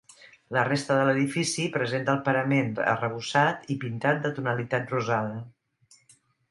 La resta de l'edifici presenta el parament arrebossat i pintat de tonalitat rosada.